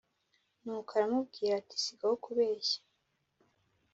Nuko aramubwira ati sigaho kubeshya